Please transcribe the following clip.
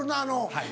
はい。